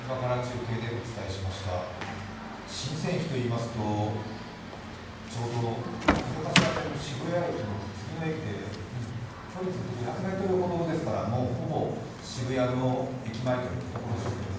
神泉駅といいますと、ちょうど井の頭線の渋谷駅の次の駅で距離にすると５００ｍほどですから、ほぼ渋谷の駅前といったところですけど。